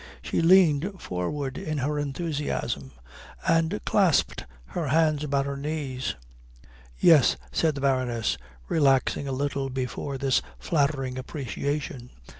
She leaned forward in her enthusiasm and clasped her hands about her knees. "Yes," said the Baroness, relaxing a little before this flattering appreciation.